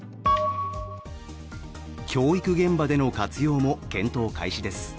教育現場での活用も検討開始です。